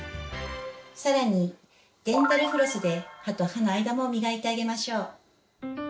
更にデンタルフロスで歯と歯の間も磨いてあげましょう。